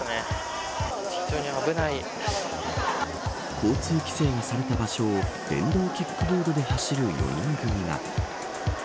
交通規制がされた場所を電動キックボードで走る４人組が。